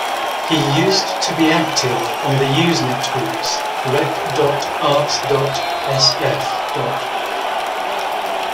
He used to be active on the Usenet groups rec.arts.sf.